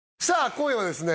今夜はですね